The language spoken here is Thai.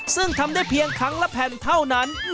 ซึ่งทำได้เพียงครั้งละแผ่นเท่านั้น